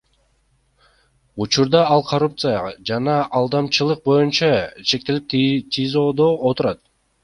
Учурда ал коррупция жана алдамчылык боюнча шектелип ТИЗОдо отурат.